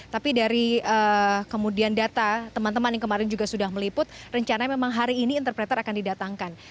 tapi dari kemudian data teman teman yang kemarin juga sudah meliput rencana memang hari ini interpreter akan didatangkan